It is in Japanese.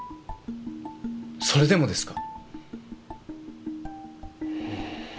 それでもですか？